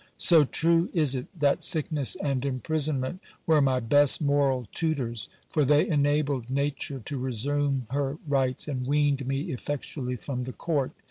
So true is it, that sickness and imprisonment were my best moral tu tors ; for they enabled nature to resume her rights, and weaned me effectually from the court.